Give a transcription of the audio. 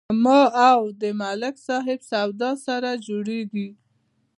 زما او د ملک صاحب سودا سره جوړیږي.